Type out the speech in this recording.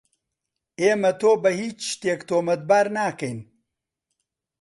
ئێمە تۆ بە هیچ شتێک تۆمەتبار ناکەین.